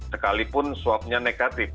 sekalipun swabnya negatif